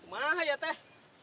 kumaha ya teh